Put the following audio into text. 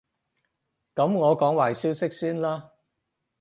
噉我講壞消息先啦